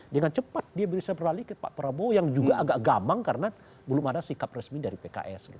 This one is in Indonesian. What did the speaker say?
dengan cepat dia bisa beralih ke pak prabowo yang juga agak gamang karena belum ada sikap resmi dari pks